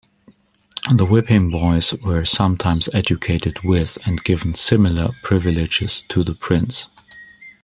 The whipping boys were sometimes educated with and given similar privileges to the prince.